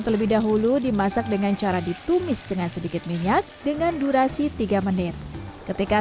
terlebih dahulu dimasak dengan cara ditumis dengan sedikit minyak dengan durasi tiga menit ketika